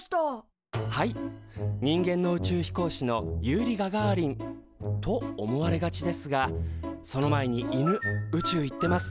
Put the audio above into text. はい人間の宇宙飛行士のユーリ・ガガーリンと思われがちですがその前に犬宇宙行ってます。